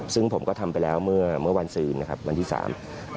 ซึ่งผมก็ทำไปแล้วเมื่อวันซืนนะครับวันที่๓นะครับ